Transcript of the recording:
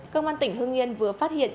công an tỉnh hương yên vừa phát hiện